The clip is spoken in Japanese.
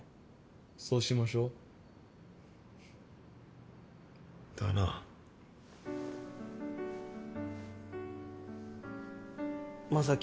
そうしましょう。だな。将希。